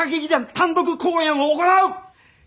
単独公演を行う！